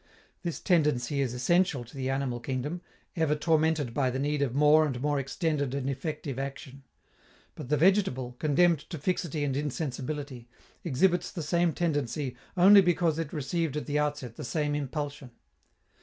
This tendency is essential to the animal kingdom, ever tormented by the need of more and more extended and effective action. But the vegetable, condemned to fixity and insensibility, exhibits the same tendency only because it received at the outset the same impulsion.